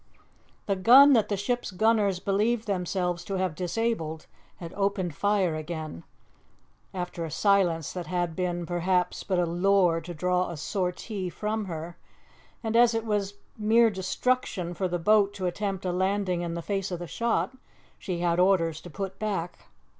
The gun that the ship's gunners believed themselves to have disabled had opened fire again, after a silence that had been, perhaps, but a lure to draw a sortie from her; and as it was mere destruction for the boat to attempt a landing in the face of the shot, she had orders to put back.